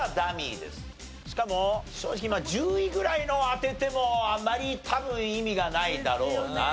しかも正直１０位ぐらいのを当ててもあまり多分意味がないだろうなと。